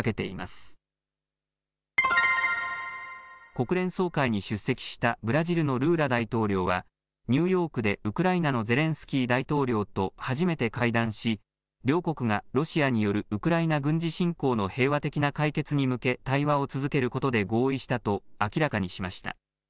国連総会に出席したブラジルのルーラ大統領はニューヨークでウクライナのゼレンスキー大統領と初めて会談し両国がロシアによるウクライナ軍事侵攻の平和的な解決に向け対話を続けることで合意したと明らかにしました。